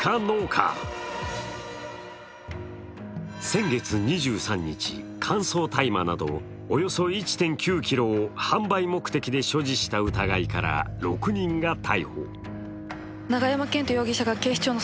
先月２３日、乾燥大麻などおよそ１．９ｋｇを販売目的で所持した疑いから６人が逮捕。